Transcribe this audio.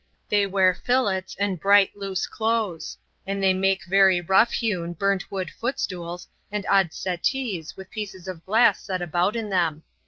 They wear fillets and bright, loose clothes; and they make very rough hewn burnt wood footstools and odd settees with pieces of glass set about in them.